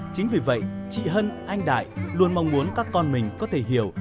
chính vì vậy chị hân anh đại luôn mong muốn các con mình có thể hiểu